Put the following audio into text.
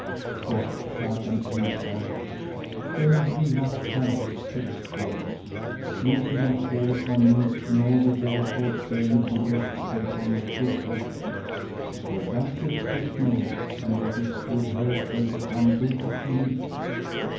Quoth Sharrkan to himself, "Every luck hath its cause. Sleep did not fall upon me nor the war horse bear me hither save for my good fortune; for doubtless this maid and what is with her shall become booty to me."